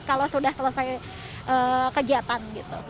kalau sudah selesai kegiatan